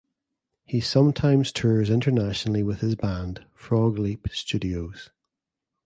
He sometimes tours internationally with his band "Frog Leap (studios)".